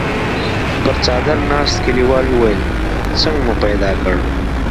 پر څادر ناست کليوال وويل: څنګه مو پيدا کړ؟